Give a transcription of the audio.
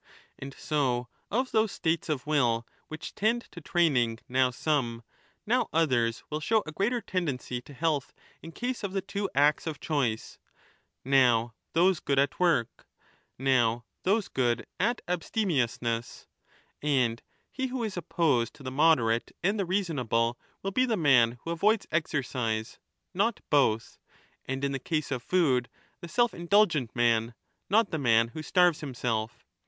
And so of those states of will which tend to training now some, now others, will show a greater tendency to health in case of the two acts of choice ^— now those good at work, now those good at abste miousness 2 ; and he who is opposed to the moderate and 35 the reasonable will be the man who avoids exercise, not both ; and in the case of food the self indulgent man, not the man who starves himself.